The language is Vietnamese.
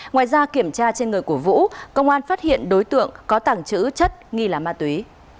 ngoài ra kiểm tra trên người của vũ công an phát hiện đối tượng có tàng trữ chất nghi là ma túy